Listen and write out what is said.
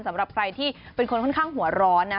สำหรับใครที่เป็นคนค่อนข้างหัวร้อนนะ